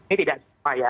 ini tidak sama ya